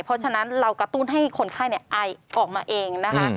เพราะฉะนั้นเรากระตุ้นให้คนไข้อายออกมาเองนะคะ